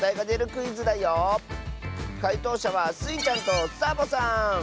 かいとうしゃはスイちゃんとサボさん！